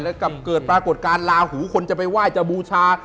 แล้วกลับเกิดปรากฏการณ์ลาหูคนจะไปไหว้จะบูชา